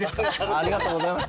ありがとうございます。